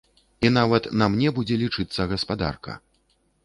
І нават на мне будзе лічыцца гаспадарка.